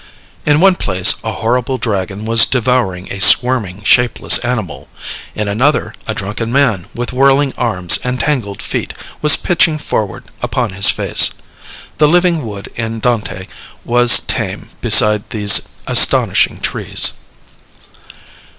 In one place a horrible dragon was devouring a squirming, shapeless animal; in another, a drunken man, with whirling arms and tangled feet, was pitching forward upon his face. The living wood in Dante was tame beside these astonishing trees.